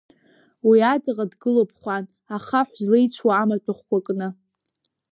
Уи аҵаҟа дгылоуп Хәан, ахаҳә злеицәуа амаҭәахәкәа кны.